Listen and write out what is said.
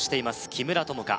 木村友香